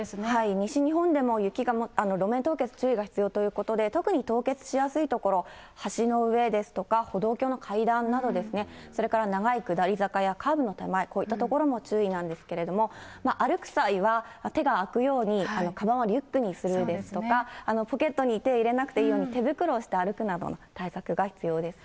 西日本でも路面凍結、注意が必要ということで、特に凍結しやすい所、橋の上ですとか、歩道橋の階段などですね、それから長い下り坂やカーブの手前、こういった所も注意なんですけれども、歩く際は、手が空くように、かばんはリュックにするですとか、ポケットに手入れなくていいように、手袋をして歩くなどの対策が必要ですね。